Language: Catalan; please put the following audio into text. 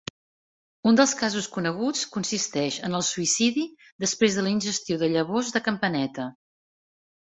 Un dels casos coneguts consisteix en el suïcidi després de la ingestió de llavors de campaneta.